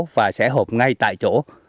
và sẽ hộp ngay tại chỗ